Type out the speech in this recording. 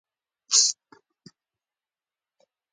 روهیله پښتنو مرستې غوښتنه وکړه.